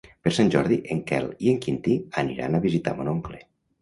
Per Sant Jordi en Quel i en Quintí aniran a visitar mon oncle.